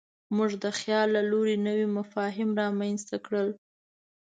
موږ د خیال له لارې نوي مفاهیم رامنځ ته کړل.